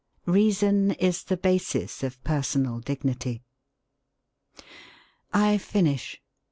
Reason is the basis of personal dignity. I finish.